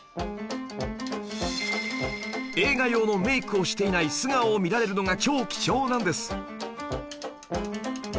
映画用のメイクをしていない素顔を見られるのが超貴重なんです！